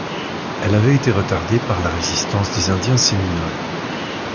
Elle avait été retardée par la résistance des Indiens Seminole.